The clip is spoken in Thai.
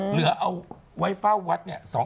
เหลือเอาไว้เฝ้าวัดเนี่ย